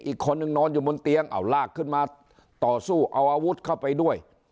อีกคนนึงนอนอยู่บนเตียงเอาลากขึ้นมาต่อสู้เอาอาวุธเข้าไปด้วย